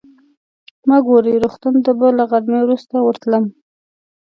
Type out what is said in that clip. مګوري روغتون ته به له غرمې وروسته ورتلم.